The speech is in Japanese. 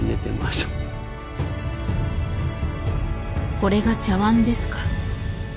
「これが茶碗ですか」。